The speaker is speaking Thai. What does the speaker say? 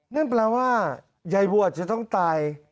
นั่นแปลว่ายายบวชจะต้องตาย